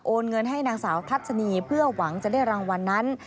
เงินให้นางสาวทัศนีเพื่อหวังจะได้รางวัลนั้น